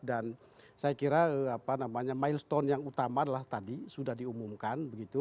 dan saya kira milestone yang utama adalah tadi sudah diumumkan